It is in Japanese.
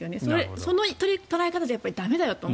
その捉え方では駄目だと。